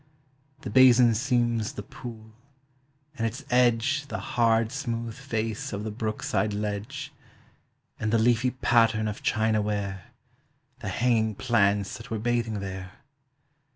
The basin seems the pool, and its edge The hard smooth face of the brook side ledge, And the leafy pattern of china ware The hanging plants that were bathing there.